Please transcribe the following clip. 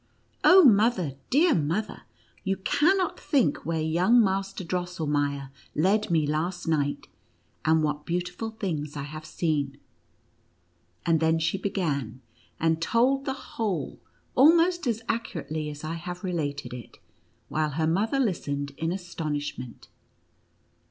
" Oh, mother, dear mother, you cannot think where young Master Drosselmeier led me last night, and what beautiful things I have seen !" And then she began and told the whole, almost as accurately as I have related it, while her mother listened in astonishment.